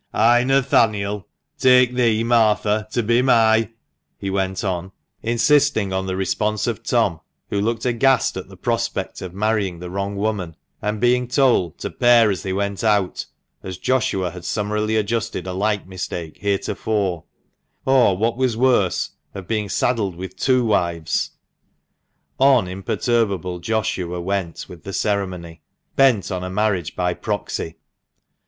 "I, Nathaniel, take thee, Martha, to be my " he went on, insisting on the response of Tom, who looked aghast at the prospect of marrying the wrong woman, and being told "to pair as they went out," as Joshua had summarily adjusted a like mistake heretofore; or, what was worse, of being saddled with two wives* 170 THE MANCHESTER MAN. On imperturable Joshua went with the ceremony, bent on a marriage by proxy.